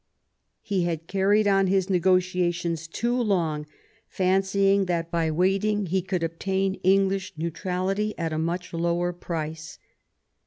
He had carried on his negotiations too long, fancying that by waiting he could obtain English neutrality at a much lower price.